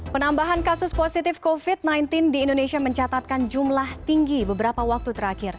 penambahan kasus positif covid sembilan belas di indonesia mencatatkan jumlah tinggi beberapa waktu terakhir